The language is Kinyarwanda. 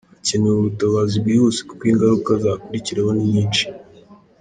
Hakenewe ubutabazi bwihuse kuko ingaruka zakurikiraho ni nyinshi.